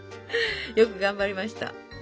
よく頑張りました。